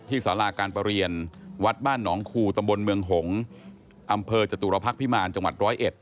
สาราการประเรียนวัดบ้านหนองคูตำบลเมืองหงษ์อำเภอจตุรพักษ์พิมารจังหวัด๑๐๑